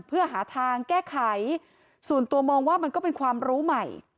เพื่อหาทางแก้ไขส่วนตัวมองว่ามันก็เป็นความรู้ใหม่